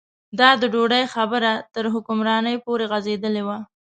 دا د ډوډۍ خبره تر حکمرانۍ پورې غځېدلې وه.